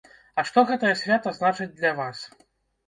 А што гэтае свята значыць для вас?